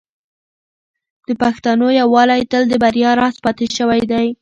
د پښتنو یووالی تل د بریا راز پاتې شوی دی.